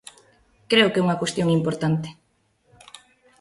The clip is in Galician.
Creo que é unha cuestión importante.